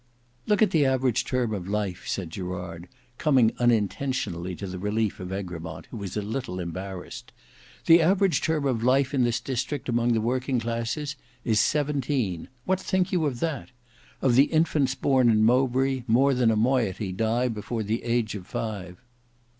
"Look at the average term of life," said Gerard, coming unintentionally to the relief of Egremont, who was a little embarrassed. "The average term of life in this district among the working classes is seventeen. What think you of that? Of the infants born in Mowbray, more than a moiety die before the age of five."